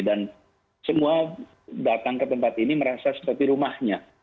dan semua datang ke tempat ini merasa seperti rumahnya